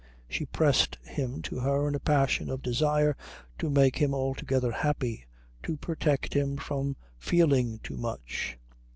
She pressed him to her in a passion of desire to make him altogether happy, to protect him from feeling too much.